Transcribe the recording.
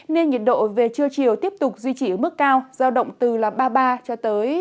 nên nhiệt độ về chiều chiều tiếp tục duy trì ở mức cao giao động từ ba mươi ba ba mươi sáu độ